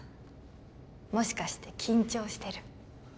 もしかして緊張してる？